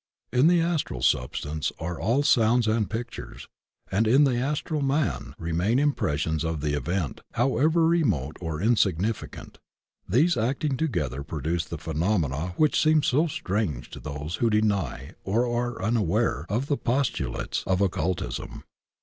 In the astral substance are all soimds and pictures, and in the astral man remain impressions of every event, how ever remote or insignificant; these acting together pro duce the phenomena which seem so strange to those who deny or are unaware of the postulates of occult ism.